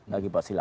bagi pak sylvia